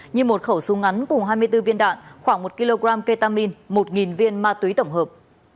như một khẩu súng ngắn cùng hai mươi bốn viên đạn khoảng một kg ketamin một viên ma túy tổng hợp